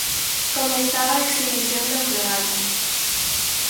Comezaba a exhibición do croata.